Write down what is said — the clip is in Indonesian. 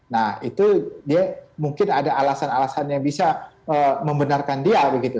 nah itu dia mungkin ada alasan alasan yang bisa membenarkan dia begitu